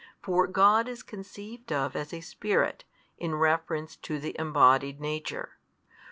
For God is conceived of as a Spirit, in reference to the embodied nature.